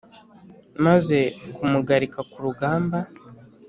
Maze kumugarika ku rugamba